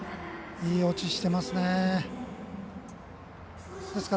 いい落ちしてますね。